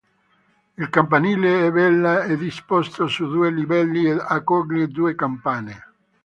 Il campanile a vela è disposto su due livelli ed accoglie due campane.